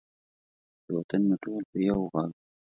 چې وطن مې ټول په یو ږغ،